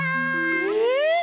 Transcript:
えっ！